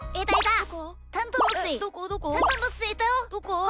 どこ？